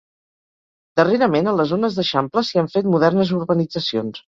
Darrerament a les zones d'eixample s'hi han fet modernes urbanitzacions.